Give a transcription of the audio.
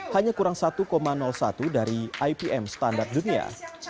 hanya kurang satu satu dari ipm standar dunia